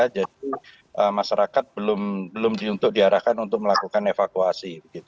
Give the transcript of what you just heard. jadi masyarakat belum diarahkan untuk melakukan evakuasi